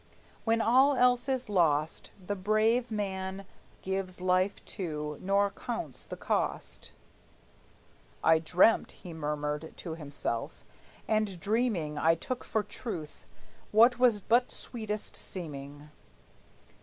When all else is lost, The brave man gives life too, nor counts the cost. "I dreamt," he murmured to himself, "and dreaming I took for truth what was but sweetest seeming.